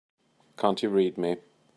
Can't you read me?